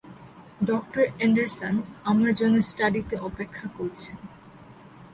ডঃ Anderson আমার জন্য স্টাডিতে অপেক্ষা করছেন।